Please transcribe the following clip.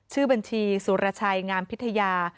ชื่อบัญชีสุรชัยงามพิทยา